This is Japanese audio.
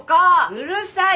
うるさい！